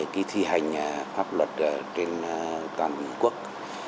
cơ quan pháp luật trên toàn quốc